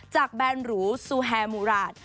จากแบรนด์หรูซูแฮมูราช